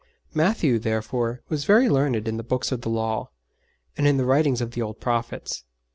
Matthew, therefore, was very learned in the books of the Law, and in the writings of the old prophets.